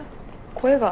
声が。